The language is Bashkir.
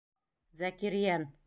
Зәкириән.